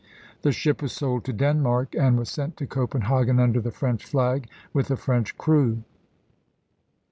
The ship was sold to Denmark and was sent to Copenhagen under the French flag, with a French crew.